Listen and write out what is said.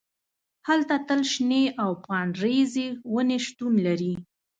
هلته تل شنې او پاڼریزې ونې شتون لري